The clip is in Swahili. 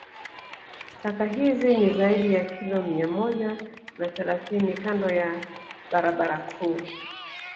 Taka hizi ni zaidi ya kilo mia moja na thelasini kando ya barabara kuu